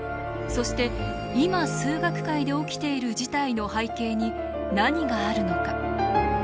そして今数学界で起きている事態の背景に何があるのか。